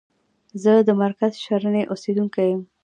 زه د مرکز شرنی اوسیدونکی یم.